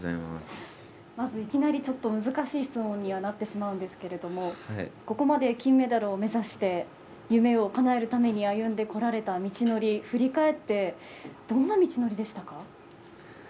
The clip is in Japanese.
まずいきなりちょっと難しい質問になってしまうんですがここまで金メダルを目指して夢をかなえるために歩んでこられた道のり振り返ってどんな道のりでしたか。